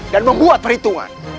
dan membuat perhitungan